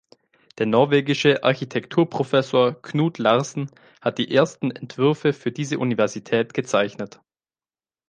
Der norwegische Architekturprofessor Knud Larsen hat die ersten Entwürfe für diese Universität gezeichnet.